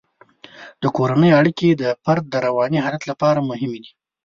د کورنۍ اړیکې د فرد د رواني حالت لپاره مهمې دي.